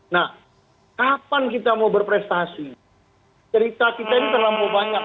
nah kapan kita mau berprestasi cerita kita ini terlampau banyak